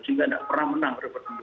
sehingga tidak pernah menang